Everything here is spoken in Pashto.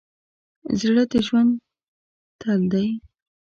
زړه د ژوند تل دی.